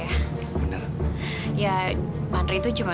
iya kalau dibandingin pak satria pak andre itu bukan apa apa ya